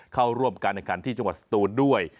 เข้าร่วมกันในการที่จังหวัดสตูนด้วย